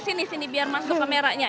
sini sini biar masuk ke merahnya